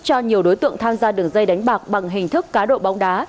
cho nhiều đối tượng tham gia đường dây đánh bạc bằng hình thức cá độ bóng đá